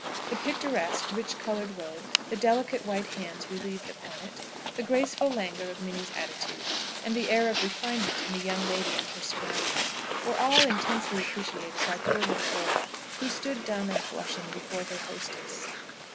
The picturesque rich coloured robe, the delicate white hands relieved upon it, the graceful languor of Minnie's attitude, and the air of refinement in the young lady and her surroundings, were all intensely appreciated by poor little Rhoda, who stood dumb and blushing before her hostess.